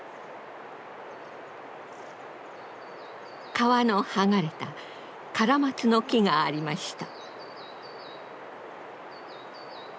皮の剥がれたカラマツの木がありました。